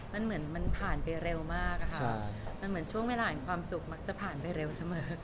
มันเหมือนมันผ่านไปเร็วมากอะค่ะมันเหมือนช่วงเวลาแห่งความสุขมักจะผ่านไปเร็วเสมอ